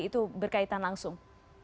itu berkaitan langsung